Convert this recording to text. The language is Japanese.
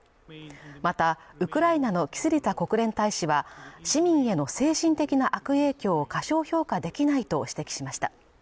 またウクライナのキスリツァ国連大使は市民への精神的な悪影響を過小評価できないと指摘しました